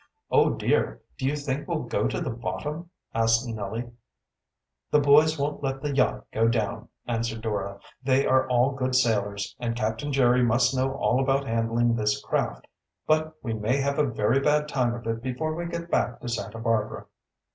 "Oh, dear! do you think we'll go to the bottom?" asked Nellie. "The boys won't let the yacht go down," answered Dora. "They are all good sailors, and Captain Jerry must know all about handling this craft. But we may have a very bad time of it before we get back to Santa Barbara."